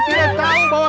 tidak tahu bahwa